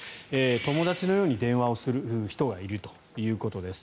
友達のように電話をする人がいるということです。